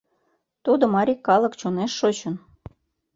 Тудо марий калык чонеш шочын...